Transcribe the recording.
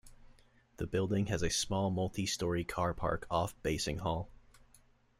The building has a small multi-storey car park off Basinghall.